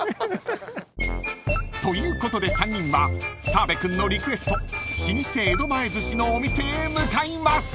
［ということで３人は澤部君のリクエスト老舗江戸前ずしのお店へ向かいます］